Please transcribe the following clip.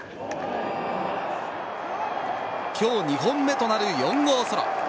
今日２本目となる４号ソロ。